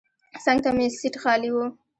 څنګ ته مې سیټ خالي و.